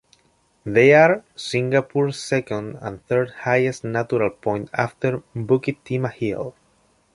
They are Singapore's second and third highest natural point after Bukit Timah Hill.